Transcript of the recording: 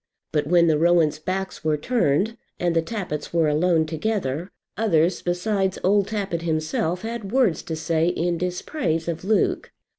But when the Rowans' backs were turned, and the Tappitts were alone together, others besides old Tappitt himself had words to say in dispraise of Luke.